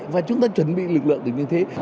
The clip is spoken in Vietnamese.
và chúng ta chuẩn bị lực lượng để như thế